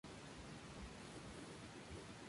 Flores a ampliar y dar nueva nomenclatura a sus calles.